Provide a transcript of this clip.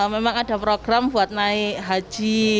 memang ada program buat naik haji